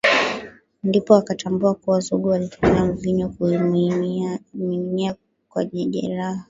Ndipo akatambua kuwa Zugu alitumia mvinyo kuiminia kwenye jeraha